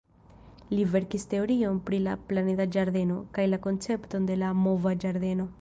Li verkis teorion pri la «planeda ĝardeno» kaj la koncepton de la mova ĝardeno.